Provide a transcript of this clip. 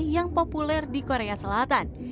yang populer di korea selatan